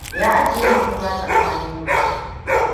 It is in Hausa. Ya ajiye budurwa, tsakaninmu.